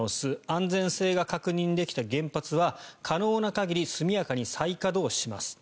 安全性が確認できた原発は可能な限り速やかに再稼働します。